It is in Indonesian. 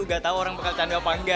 nggak tau orang bakal candu apa nggak